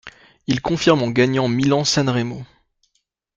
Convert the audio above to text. Il confirme en gagnant Milan-San Remo.